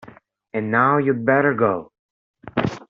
And now you’d better go!